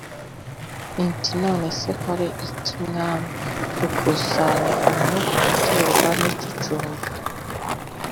nti none se nkore iki Mwami gukusanya umwuka uterwa n icucumba